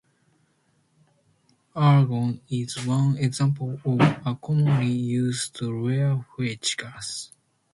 Argon is one example of a commonly used rarefied gas.